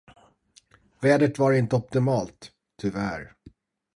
Vädret var inte optimalt, tyvärr.